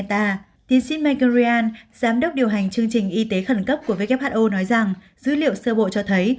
tiến sĩ michain giám đốc điều hành chương trình y tế khẩn cấp của who nói rằng dữ liệu sơ bộ cho thấy